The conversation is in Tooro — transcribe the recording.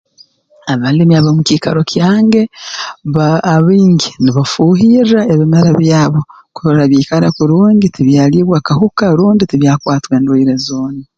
Abalimi ab'omu kiikaro kyange baa abaingi nibafuuhirra ebimera byabo kurora byaikara kurungi tibyaliibwa kahuka rundi tibyakwatwa endwaire zoona